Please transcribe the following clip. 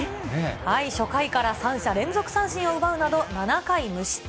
初回から３者連続三振を奪うなど、７回無失点。